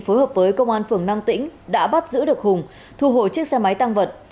phối hợp với công an phường năng tĩnh đã bắt giữ được hùng thu hồi chiếc xe máy tăng vật